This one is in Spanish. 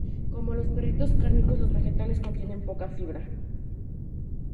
Como los perritos cárnicos, los vegetales contienen poca fibra.